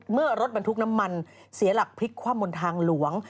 เมื่อรถบรรทุกน้ำมันเสียหลักพลิกคว่ำบนทางหลวง